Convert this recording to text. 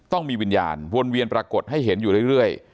ต้องมีวิญญาณวนเวียนปรากฏให้เห็นอยู่เรื่อย